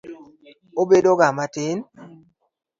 Obedoga matin.